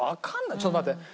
ちょっと待って。